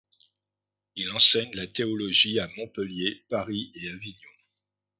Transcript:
Il enseigne la théologie à Montpellier, Paris et Avignon.